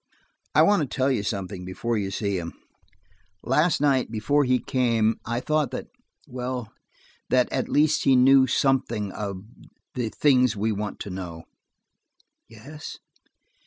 "I want to tell you something before you see him. Last night, before he came, I thought that–well, that at least he knew something of–the things we want to know." "Yes?"